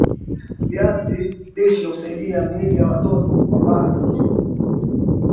viazi lishe husaidia miili ya watoto kupambana na magojwa